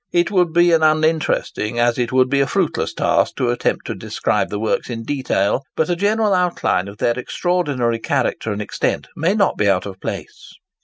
It would be an uninteresting, as it would be a fruitless task, to attempt to describe the works in detail; but a general outline of their extraordinary character and extent may not be out of place.